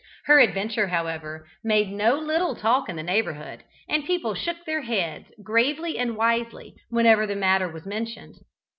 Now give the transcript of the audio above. Her adventure, however, made no little talk in the neighbourhood, and people shook their heads, gravely and wisely, whenever the matter was mentioned.